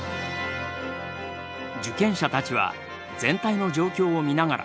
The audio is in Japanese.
受験者たちは全体の状況を見ながら操縦できない。